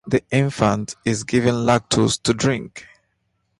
The infant is given lactose to drink.